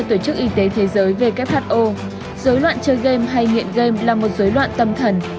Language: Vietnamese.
tổ chức y tế thế giới who dối loạn chơi game hay nghiện game là một dối loạn tâm thần